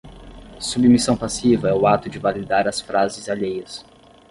submissão passiva é o ato de validar as frases alheias